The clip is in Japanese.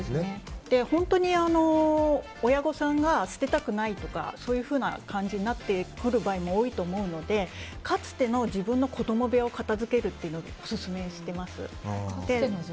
本当に親御さんが捨てたくないとかそういうふうな感じになってくる場合も多いと思うのでかつての自分の子供部屋を片付けるのをオススメしてます。